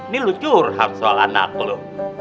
nih lucu urham soal anak lo